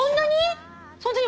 そんなに！？